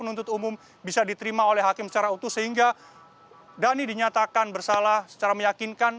penuntut umum bisa diterima oleh hakim secara utuh sehingga dhani dinyatakan bersalah secara meyakinkan